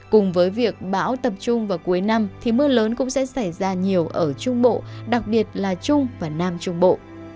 cùng với việc bão tập trung vào cuối năm thì mưa lớn cũng sẽ xảy ra nhiều ở trung bộ đặc biệt là trung và nam trung bộ